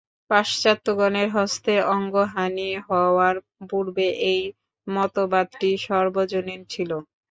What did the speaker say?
পাশ্চাত্যগণের হস্তে অঙ্গহানি হওয়ার পূর্বে এই মতবাদটি সর্বজনীন ছিল।